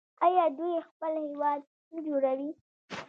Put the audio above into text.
آیا دوی خپل هیواد نه جوړوي؟